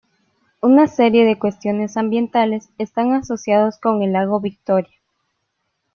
Una serie de cuestiones ambientales están asociados con el Lago Victoria.